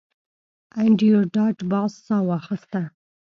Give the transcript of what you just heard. انډریو ډاټ باس ساه واخیسته